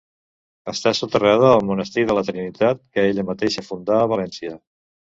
Està soterrada al Monestir de la Trinitat que ella mateixa fundà a València.